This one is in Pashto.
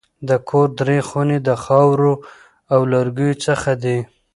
د کور درې خونې د خاورو او لرګیو څخه دي.